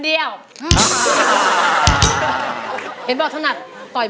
เพื่อจะไปชิงรางวัลเงินล้าน